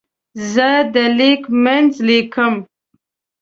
زه د لیک منځ لیکم.